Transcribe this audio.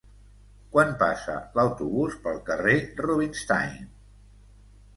Quan passa l'autobús pel carrer Rubinstein?